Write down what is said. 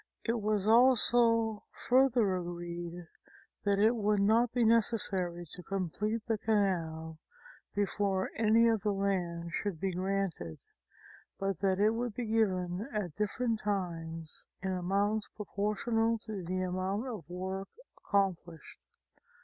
It was also further agreed that it would not be necessary to complete the canal before any of the land should be granted, but that it would be given at different times in amounts proportional to the amount of work accomplished.